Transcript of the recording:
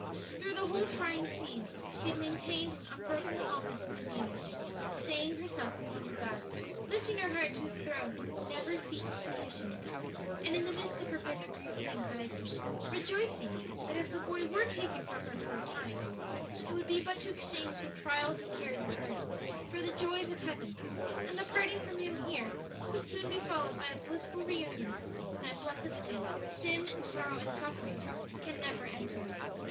Through the whole trying scene she had maintained an unbroken calmness of demeanor, staying herself upon her God, lifting her heart to His throne in never ceasing petitions, and in the midst of her bitter grief and anxiety rejoicing that if her boy were taken from her for a time, it would be but to exchange the trials and cares of earth for the joys of heaven; and the parting from him here would soon be followed by a blissful reunion in that blessed land where sin and sorrow and suffering can never enter.